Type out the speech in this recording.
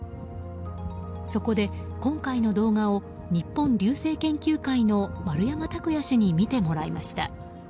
そこで、今回の動画を日本流星研究会の丸山卓哉氏に見てもらいました。